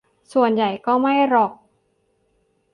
ส่วนใหญ่ก็ไม่หรอก